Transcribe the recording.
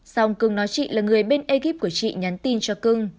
xong cưng nói chị là người bên egip của chị nhắn tin cho cưng